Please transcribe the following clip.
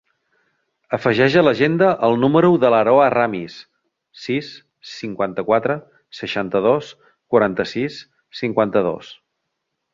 Afegeix a l'agenda el número de l'Aroa Ramis: sis, cinquanta-quatre, seixanta-dos, quaranta-sis, cinquanta-dos.